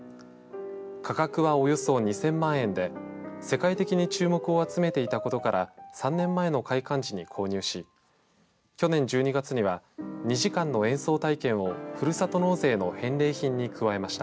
価格はおよそ２０００万円で世界的に注目を集めていたことから３年前の開館時に購入し去年１２月には、２時間の演奏体験をふるさと納税の返礼品に加えました。